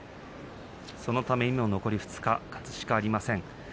そのためにも残り２日勝つしかありません。